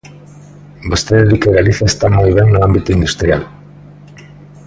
Vostede di que Galiza está moi ben no ámbito industrial.